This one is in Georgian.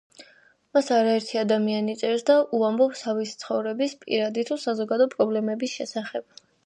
მას არაერთი ადამიანი წერს და უამბობს თავისი ცხოვრების, პირადი, თუ საზოგადო პრობლემების შესახებ.